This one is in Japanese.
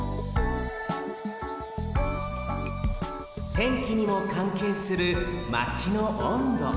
てんきにもかんけいするマチの温度。